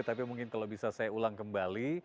tapi mungkin kalau bisa saya ulang kembali